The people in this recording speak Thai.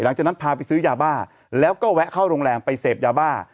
หลังจากนั้นพาไปซื้อยาบ้าแล้วก็แวะเข้าโรงแรมไปเสพยาบ้า